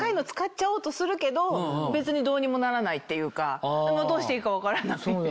ちゃおうとするけど別にどうにもならないっていうかどうしていいか分からない。